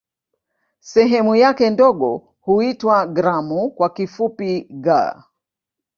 Sehemu yake ndogo huitwa "gramu" kwa kifupi "g".